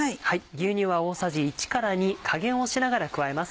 牛乳は大さじ１２加減をしながら加えます。